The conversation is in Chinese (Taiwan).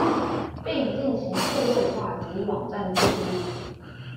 並進行數位化及網站建置